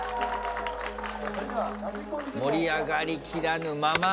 盛り上がりきらぬまま。